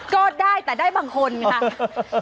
ก็ได้แต่ได้บางคนค่ะ